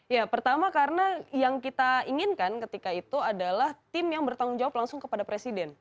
ya pertama karena yang kita inginkan ketika itu adalah tim yang bertanggung jawab langsung kepada presiden